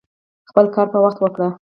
خپل کار په وخت وکړئ